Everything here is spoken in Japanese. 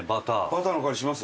バターの香りします？